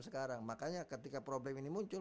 sekarang makanya ketika problem ini muncul